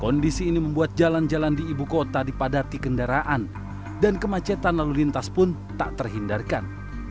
kondisi ini membuat jalan jalan di ibu kota dipadati kendaraan dan kemacetan lalu lintas pun tak terhindarkan